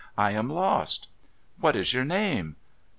' I am lost.' ' What is your name